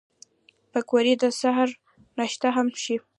پکورې د سهر ناشته هم شي